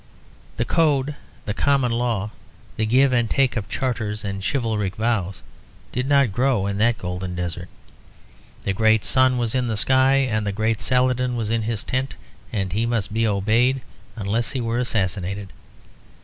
The Code, the Common Law, the give and take of charters and chivalric vows, did not grow in that golden desert. The great sun was in the sky and the great Saladin was in his tent, and he must be obeyed unless he were assassinated.